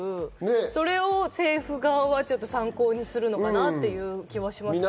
それを政府側は参考にするのかなっていう気もします。